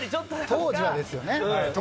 当時はですよね？